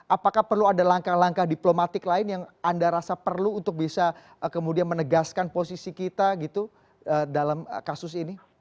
apakah perlu ada langkah langkah diplomatik lain yang anda rasa perlu untuk bisa kemudian menegaskan posisi kita gitu dalam kasus ini